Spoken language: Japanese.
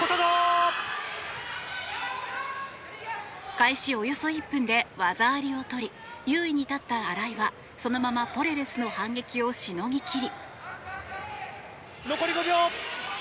開始およそ１分で技ありをとり優位に立った新井はそのままポレレスの反撃をしのぎ切り。